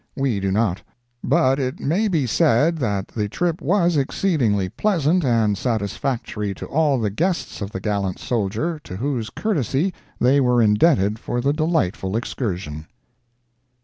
We do not. But it may be said that the trip was exceedingly pleasant and satisfactory to all the guests of the gallant soldier to whose courtesy they were indebted for the delightful excursion.